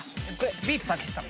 ビートたけしさん。